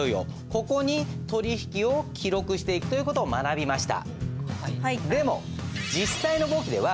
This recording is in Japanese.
ここに取引を記録していくという事を学びました。